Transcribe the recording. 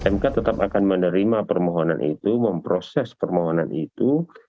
mk tetap akan menerima permohonan itu memproses permohonan itu